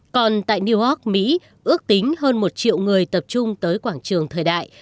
còn tại new york mỹ ước tính hơn một triệu người tập trung tới quảng trường thời đại